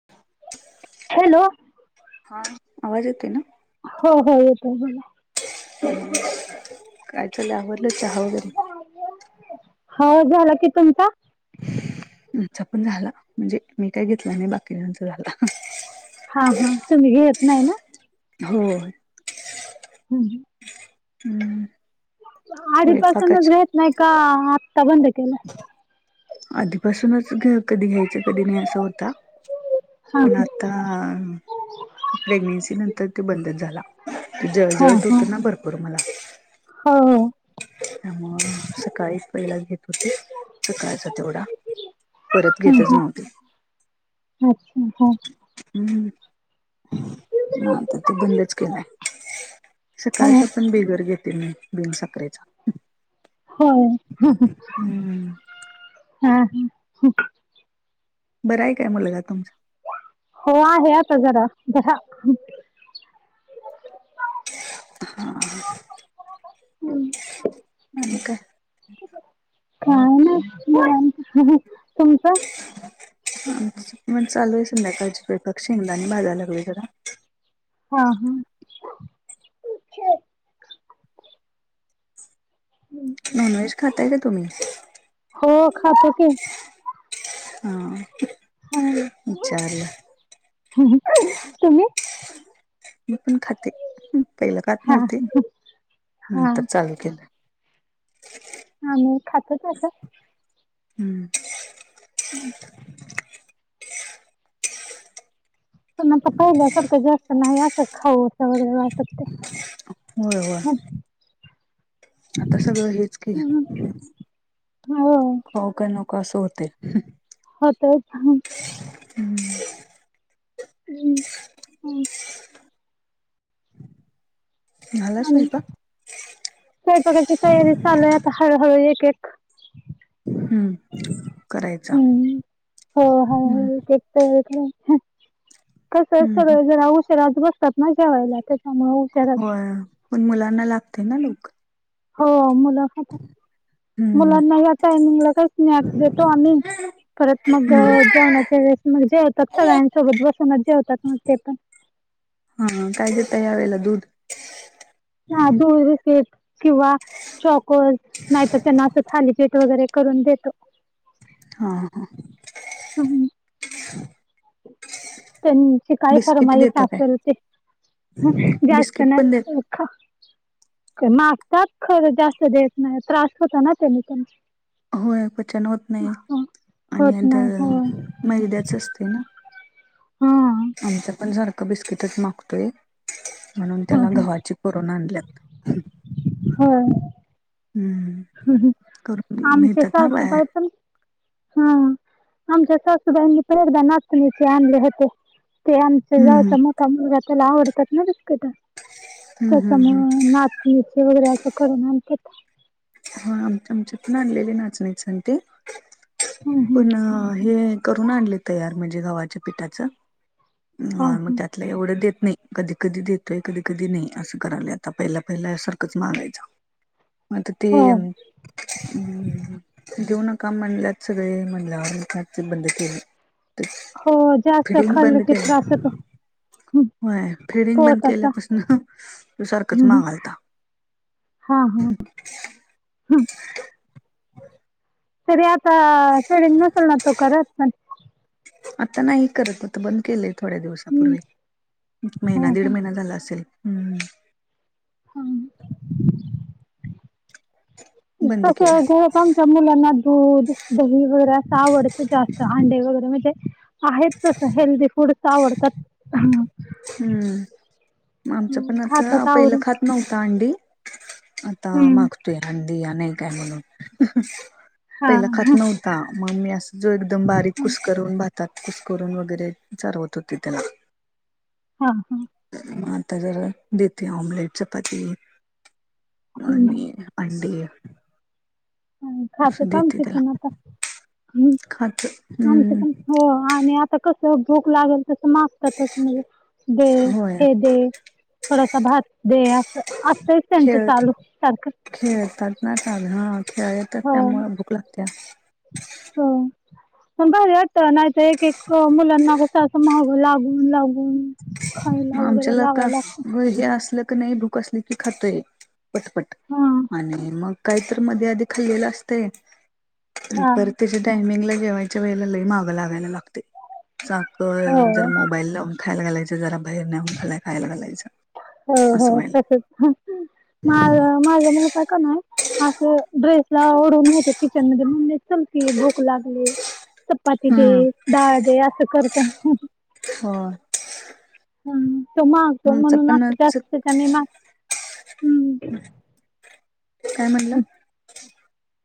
[unintelligible] Hello. हा आवाज येतोय ना? हो हो येतोन बला. काय तुले आवरलं चहा वैगरे? हो झाला कि तुमचा? आमचा पण झाला म्हणजे मी काय घेतला नाही बाकीच्यांचा झाला‌. हा हा तुम्ही घेत नाही ना. हो.. हम्म, हम्म. हम्म. आधी पसूनच स्वयंपाकाच घेत नाही का आत्ता बंद केलं? आधीपासूनच घे कधी घ्यायचं कधी नाही असं होत. आता हा पण आता प्रेग्नेन्सी नंतर तो बंदच झाला हा जळजळत हा होत ना हा भरपूर मला. हो, हो. त्यामुळे सकाळीच पहिलाच घेत होते सकाळचा तेवढा परत हम्म, घेतच नव्हती. अच्छा हा. हम्म म आता ते बंदच केलाय. हो हो सकाळचा पण बिगर घेते मी बिन साखरेचा. होय, हा, हम्म ह. बरं आहे काय मुलगा तुमचं? हो आहे आता जरा जरा हा. हम्म. आणि काय? काय ना [unintelligible] तुमचं? मण चालू आहे संध्याकाळ चे पक्षी, शेंगदाने भाजावे लागेल जरा हा हा [inaudible] नॉन व्हेज खाताय का तुम्ही? हो खातो की. हा हा विचारलं तुम्ही? मी पण खाते. पहिलं खात हा नव्हती. हा नंतर चालू केलं. आम्ही खात तस. हम्म पन् आता पहिल्यासारखं जास्त नाही असं खाऊ असं वगैरे वाटत होय होय [unintelligible] आता सगळं हेच केल. हो. खाऊ का नको असं होतय. होतय हा. हम्म. [unintelligible] झाला आणि, स्वयंपाक? स्वयंपाकाची तयारी चालू आहे आता हळूहळू एक एक हम्म. करायचा. हम्म हो हम्म हो तेच [unintelligible] कस असत हम्म जरा उशराच बसतात ना जेवायला ते होय पण मुलांना लागते ना लवकर हो मुल खातात हम्म मुलांना या टायमिंगला काही स्नॅक्स बिक्स तो आम्ही परत मग हम्म अह जेवणाच्या वेळेस मग जेवतात सगळ्यांसोबत बसूनच जेवतात ना ते पण हा काय देताय यावेळेला दूध हा दूध बिस्किट किंवा चॉकोज नाही तर त्यांना असं थालीपीठ वगैरे करून देतो. हा हा. हम्म. त्यांची काही बिस्किट फरमाइश देता काय? असेल ते, जास्त बिस्किट पण नाय देत [unintelligible] [unintelligible] मागतात खरं जास्त देत नाही त्रास होतो ना त्यांनी त्यांना होय पचन होत नाही आणि होत नाही होय नंतर मैद्याच असते ना हा आमच पण सारखं बिस्किटच मागतोय म्हणून त्याला गव्हाचे करुन आणल्यात होय. हम्म. करून आमच्या मिळतात ना बाहेर सासूबाई पण हा आमच्या सासूबाईंनी पन एकदा नाचनीचे आणले होते. ते आमच्या हम्म जावेचा मोठा मुलगा त्याला आवडतात ना बिस्किट हम्म त्याच्या हम्म हम्म मुळे नाचणीचे वगैरे असं करून आणत्यात हा आमच्या आमच्यात न्हांणलेले नाचणीच न ते हं, हं. पुन्हा हे करून आणले तयार म्हणजे गव्हाच्या पिठाच हां, [unintelligible] म हां. त्या लई एवढं देत नाही कधी कधी देतोय कधी कधी नाही असं करायला आता पहिला पहिल्या सारखंच मागायच म आता हो, तेम [inaudible] देऊ नका म्हणल्यात सगळे म्हणल्यावर एक अडचन बंद केली हो. जास्त फीडिंग खाल्लं बंद की त्रास होतो. केलय हं. होय फिडिंग बंद पोटाचा. केल्यापासून त सारखंच मागालता हा हा तरी आता फेडिंग नसल ना तो करत आता नाही करत आता बंद केले थोड्या हं. दिवसापूर्वी महिना हां, दीड हां. महिना झाला असेल ह् हमम्म बंद कस केलाय [unintelligible] आमच्या मुलांना दूध दही वगैरे अस आवडत जास्त अंडे वगैरे म्हणजे आहेत तस हेल्दी फूडच आवडतात. हम हम्म मग आमच हं. पण आता खातात पहिलं आवडीन. खात नव्हत अंडी आता हं. मागतोय अंडी आणाय का नाही म्हणून हां. पहिला खात नव्हता मग मी अस जो एकदम बारीक हं. कुस करून भातात कुस करून वगैरे चचाारवत होते त्याला हा हा मग आता जर देते ऑमलेट चपाती हं. आणि अंडी खाते असं आमचीत पण आता हं. खाते हम्म कस भूक लागेल तस मागतातच म्हणजे दे होय हे दे थोडासा भात दे अस असत त्यांच खेळ चालू सारखं खेळतात ना आता हा खेळतात हो त्यामुळे भूक लागते हो पण भारी वाटत नाहीतर एक एक मुलांना कस असं माग लागून लागून खायला वगैरे लावाय लागत हो हे असलं की नाही भूक असली की खातय पटपट हां आणि मग काय मध्ये आधी खाल्लेलं असतय हां पर त्याच्या टायमिंगला जेवायच्या वेळेला लय मागं लागायला लागते सारखं हो जरा मोबाईल लावून खायला घालायचं जरा बाहेर नेऊन खायला घालायचं हो हो असं व्हायलंय तसच माझ माझ मुलगा का नाय असं ड्रेस ला ओढवून नेतो किचन मध्ये मम्मी चल की भूक लागली चपाती दे हम्म डाळ दे असं करत हो हम तो मागतो आमचं म्हणून पण जास्त कमी मा हम्म काय म्हणला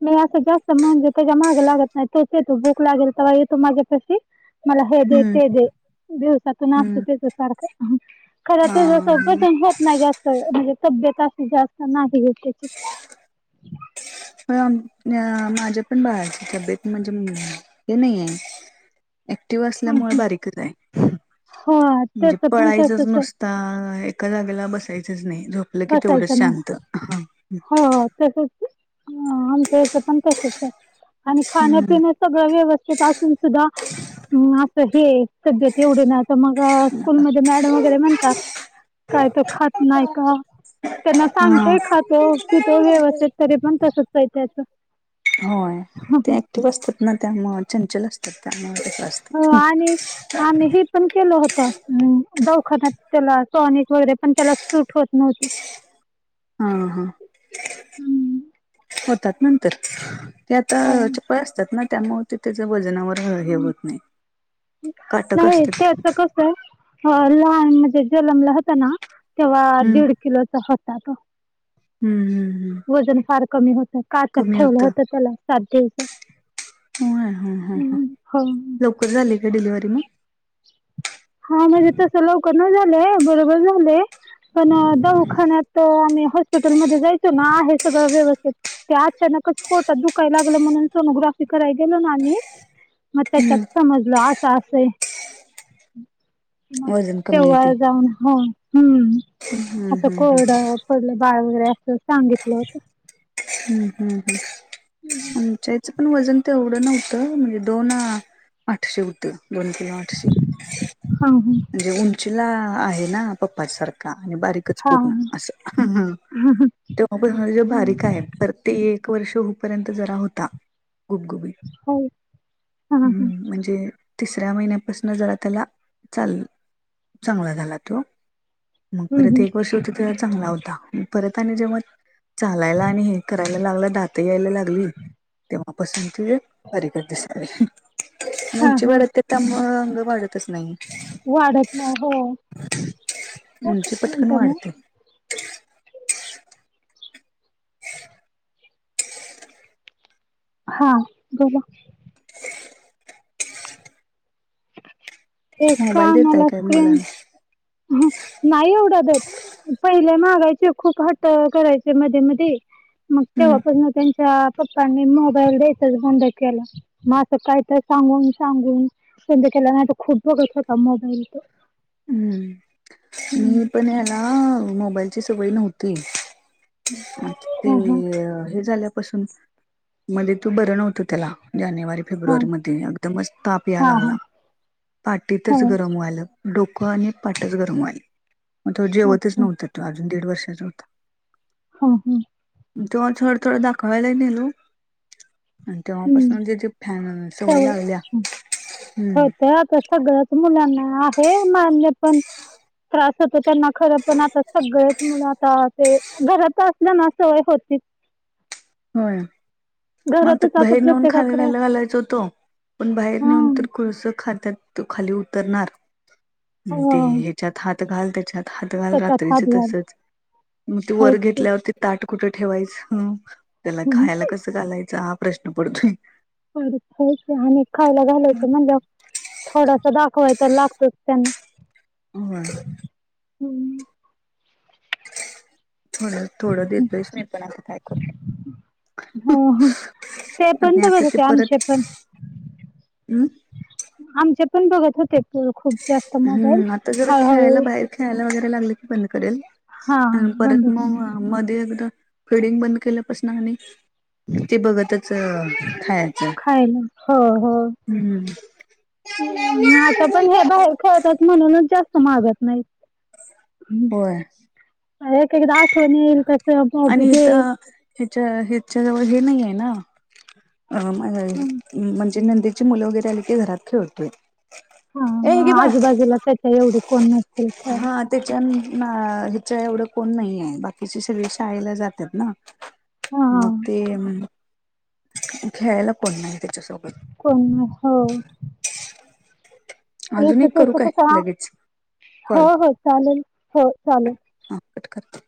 मी असं जास्त म्हणजे त्याच्या माग लागत नाही तोच येतो भूक लागेल तेव्हा येतो माझ्या पाशी मला हे दे हम्म ते दे दिवसातून असत हम्म त्याच सारखं खर हा तत्याच होत नाही जास्त म्हणजे तब्येत अशी जास्त नाही त्याची माझ्या पण बाळाची तब्येत म्हणजे मम् हे नाही आहे ऍक्टिव्ह त्याची असल्यामुळे बारीकच आहे हो म्हणजे त्याच पण पळाईच तसच आहे नुसता आता एका जागेला बसायचंच नाही झोपलं की तेवढंच बसायचं नाही शांत हो तसच आमच्या इथ पण तसच आहे आणि खाण्यापिण्या सगळ व्यवस्थित असून सुद्धा अस हे तब्येत एवढे नाही तर मग स्कूल मध्ये मॅडम वगैरे म्हणतात काय ख नाय का त्यांना हा. सांगतेय खातो पितो व्यवस्थित तरी पण तसचय त्याच होय ते एकटिव असतात ना तत्यामुळं चंचल असतात त्यामुळ असतात हो आणि आम्ही हे पण केलं होत दवाखान्यात त्याला टॉनिक वगैरे पण त्याला सुट होत नव्हती हा हा होतात म तर ते आता हो चप्पल असतात ना त्यामु ते त्याच्या वजनावर हेवत नाही काटक नाही ते असतात अस कस आहे लहान म्हणजे जनमला होता ना तेव्हा हम्म दीड किलोचा होता तो हम्म हम्म हम्म वजन फार कमी होतं काच कमी ठेवलं होत त्याला साथ द्यायचं हो लवकर झाले का डिलिव्हरी मग हा म्हणजे तस लवकर ना झालंय बरोबर झालंय पण दवाखान्यात आम्ही हॉस्पिटलमध्ये जायचो ना आहे सगळं व्यवस्थित त्या अचानकच पोटात दुखाय लागलं म्हणून सोनोग्राफी कराय गेलो ना आम्ही मग त्याच्यात हम्म समजलं असं असय मग वजन कमी आहे तेव्हा ते. जाऊन ह हम्म हम्म असं हम्म हम्म कोड पडलं बाळ वगैरे असं सांगितलं होत हम्म हम् हम् आच्या त्या पण वजन तर एवढं नव्हतं म्हणजे दोन आठशे होते दोन किलो आठशे हा म्हणजे उंचीला आहे ना पप्पा सारखं का आणि बारीकच हा पूर्ण असं हा तेव्हाून जे बारीक आहे तर ते एक वर्ष होपर्यंत जरा होता गुबगुब हो हा हा हम्म म्हणजे तिसऱ्या महिन्यापासून जरा त्याला चाल चांगला झाला तो मग हम्म परत हम्म एक वर्ष होती ते चांगला होता परत आणि जेव्हा चालायला आणि हे करायला लागला दात यायला लागली तेव्हापासून त कारिकर दिसली हा मुर्ची हा वाढत ते त्या म अंग वाढतच नाही वाढत नाही हो काय उंची कस पटकन नाहीत मग वाढते [inaudible] हा बोला ए मोबाईल देताय कानला काय मुलांना स्कन नाही उवडा देत पहिले मागायचे खूप ह्ट करायचे मध्ये मध्ये मग हम्म तेव्हापासग त्यांच्या पप्पांनी मोबाईल द्यायेतच बंद केला मग असं काय तर सांगून सांगून संध्या केला नाही तर खूप बघत होता मोबाईल त हम्म मी पण याला मोबाईल सवय नव्हती ते हा हा हे झाल्यापासून मध्ये तू बरं नव्हतं त्याला जानेवारी हा फेब्रुवारी मध्ये एकदमच ताप या हा हा लागला हो पाटीतच गरम व्हायला डोकं आणि पाटच गरमवायले मग तो जेवतच अच्छा नव्हता अजून दीड वर्षाचा होता. हा हम्म. तेव्हा थोड थोड दाखवायलाही नेलो आणि तेव्हापासून ज जे फॅन सवय लागल्या हम्म होत आता सगळं मुलांना आहे मान्य पण त्रास होतो त्यांना खरं पण आता सगळेच मुल आता ते घरात असल्या ना सवय होतीच. होय. मग आता घरातच बाहेर नेऊन प्रत्येकाकडे खायलायला घालायच होतो पण बाहेर हा नेऊन तर कुळसं खातात तो खाली उतरणार हो ते ह्याच्यात हात घाल त्याच्यात हात घाल त्याच्यात रात्रीचे हातभार तसच मग ते वर होयच की घेतल्यावरती ताट कुठे ठेवायचं त्याला हम्म खायला कसं घालायचं हा प्रश्न पडतोय. खर खरच आणि खायला घालायचं म्हणल्यावर थोडास दाखवाय तर लागतोच त्यांना. होय. थोडं थोडं देतस मी पण आता काय करू? हो ते पण आणि बघत आता ते होते परत आमचे पण हम्म. आमचे पण बघत होते. खूप जास्त मोबाईल हम्म आता जरा खेळायला हळूहळू बाहेर खेळायला वगैरे लागलं की बंद करेल. हा आणि परत बंद मग मध्ये एकदा फिडिंग बंद केलं स ना ते बघतच खायचं काही नाही, हो, हो. हम्म, हम्म. आता पण हे बाहेर खेळतात म्हणूनच जास्त मागत नाही. होय एक एकदा आठवण येईल तस बघु आणि दे इथ ह्याच्या, ह्याच्या जवळ हे नाही आहे ना नंदेची मुलं वगैरे आली की घरात खेळतो हा आजूबाजूला त्याच्या एवढी कोण नसेतील खेळत. हा त्याच्या ह्याच्या एवढं कोण नाही आहे बाकी तिची सगळे शाळेला जातात ना हा मग ते म्हण खेळायला कोण नाही त्याच्यासोबत. कोण नाही हो. अजून एक करू काय कस हा, लगेच हो, कॉल हो, चालेल हो चालेल. हा पटकर [inaudible]